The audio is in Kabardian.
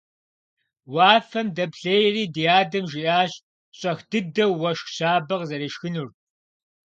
Уафэм дэплъейри ди адэм жиӏащ щӏэх дыдэу уэшх щабэ къызэрешхынур.